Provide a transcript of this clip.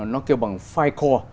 nó kêu bằng ficor